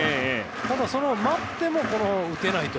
ただ、待っても打てないと